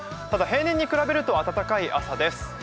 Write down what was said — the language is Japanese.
ただ平年に比べると暖かい朝です。